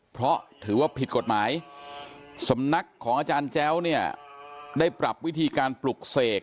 เพราะถือว่าผิดกฎหมายสำนักของอาจารย์แจ้วเนี่ยได้ปรับวิธีการปลุกเสก